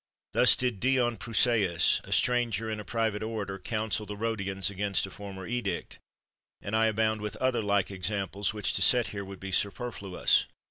Thus did Dion Prusaeus, a stranger and a private orator, coun sel the Rhodians against a former edict; and I abound with other like examples, which to set here would be superfluous.